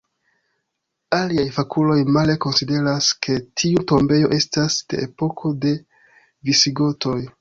Aliaj fakuloj male konsideras, ke tiu tombejo estas de epoko de visigotoj.